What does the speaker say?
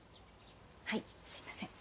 はいすいません。